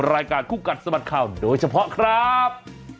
รายการคู่กัดสะบัดข่าวโดยเฉพาะครับ